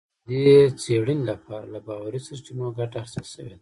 د دې څېړنې لپاره له باوري سرچینو ګټه اخیستل شوې ده